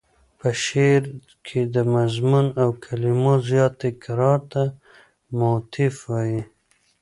په شعر کې د مضمون او کلمو زیات تکرار ته موتیف وايي.